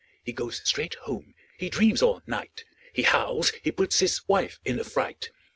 " He goes straight home. He dreams all night. He howls. He puts his wife in a fright.